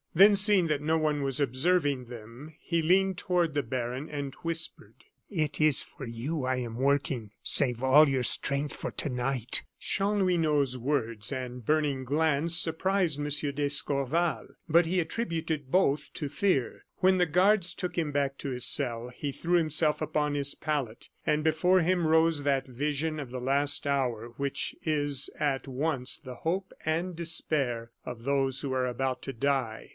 Then seeing that no one was observing them, he leaned toward the baron, and whispered: "It is for you I am working. Save all your strength for to night." Chanlouineau's words and burning glance surprised M. d'Escorval, but he attributed both to fear. When the guards took him back to his cell, he threw himself upon his pallet, and before him rose that vision of the last hour, which is at once the hope and despair of those who are about to die.